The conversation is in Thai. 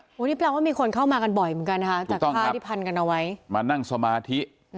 โถงนี้บอกว่ามีคนเข้ามาบ่อยนะคะจากค่าทิพันธุ์กันเอาไว้